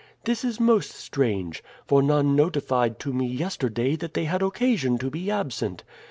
This is most strange, for none notified to me yesterday that they had occasion to be absent.